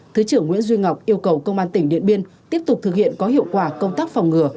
thứ trưởng nguyễn duy ngọc yêu cầu công an tỉnh điện biên tiếp tục thực hiện có hiệu quả công tác phòng ngừa